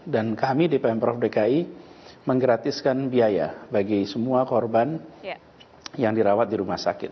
dan kami di pemprov dki menggratiskan biaya bagi semua korban yang dirawat di rumah sakit